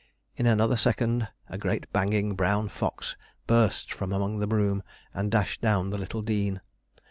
In another second a great banging brown fox burst from among the broom, and dashed down the little dean.